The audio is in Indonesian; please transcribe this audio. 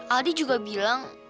aldi juga bilang